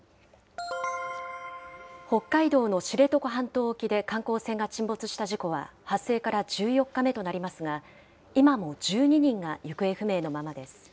北海道の知床半島沖で観光船が沈没した事故は発生から１４日目となりますが、今も１２人が行方不明のままです。